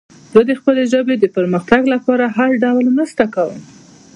زه د خپلې ژبې د پرمختګ لپاره هر ډول مرسته کوم.